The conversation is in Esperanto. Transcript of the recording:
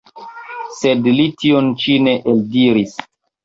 Sed li tion ĉi ne eldiris.